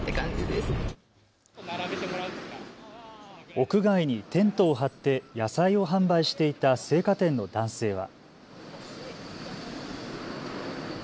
屋外にテントを張って野菜を販売していた青果店の男性は。